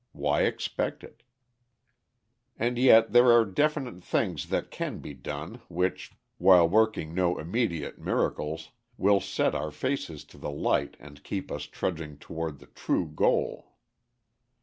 Why expect it? And yet there are definite things that can be done which, while working no immediate miracles, will set our faces to the light and keep us trudging toward the true goal.